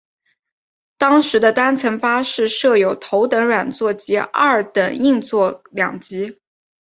当时的单层巴士设有头等软座及二等硬座两级。